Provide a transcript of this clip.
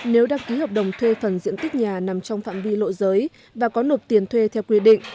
nếu đăng ký hợp đồng thuê phần diện tích nhà nằm trong phạm vi lộ giới và có nộp tiền thuê theo quy định